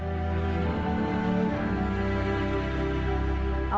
novi mengalami bermacam pengalaman yang tak semuanya mengembirakan dan mengembirakan